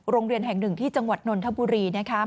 โรงเรียนแห่งหนึ่งที่จังหวัดนนทบุรีนะคะ